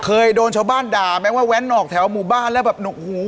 เคยโดนชาวบ้านได่แม้ว่าแว็นหนอกแถวหมู่บ้านแล้วนุกหู